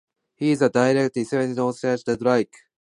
He is a direct descendant of Sir Francis Drake.